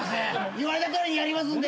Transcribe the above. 言われたとおりにやりますんで。